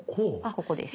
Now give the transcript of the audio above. ここです。